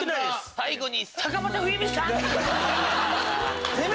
最後に。